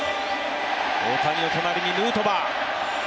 大谷の隣にヌートバー。